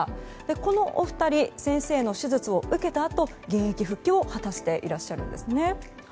このお二人は先生の手術を受けたあと現役復帰を果たしていらっしゃるんですね。